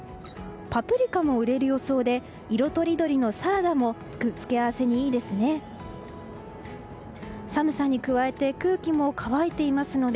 パプリカも売れる予想で色とりどりのサラダも付け合わせにいいですね。